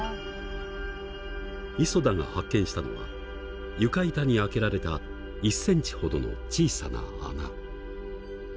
磯田が発見したのは床板に開けられた１ｃｍほどの小さな穴。